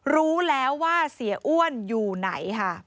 รู้แล้วว่าเสียอ้วนอยู่ไหนค่ะ